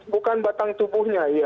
bukan batang tubuhnya